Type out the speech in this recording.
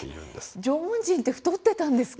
え、縄文人って太ってたんですか？